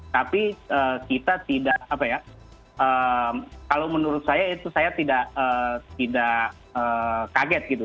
tapi kita tidak apa ya kalau menurut saya itu saya tidak kaget gitu